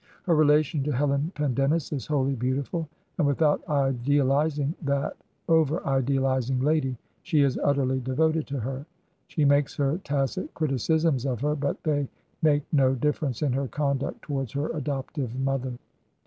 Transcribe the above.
Her relation to Helen Pen dennis is wholly beautiful, and without ideaUzing that over idealizing lady she is utterly devoted to her. She makes her tacit criticisms of her, but they make no difference in her conduct towards her adoptive mother.